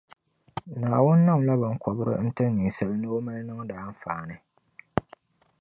Naawuni namla binkɔbiri n-ti ninsala, ni o mali niŋdi anfaani.